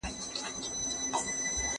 د ورځي یوازي سل سل جملې همکاري وکړي!